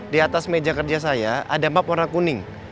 di atas meja kerja saya ada map warna kuning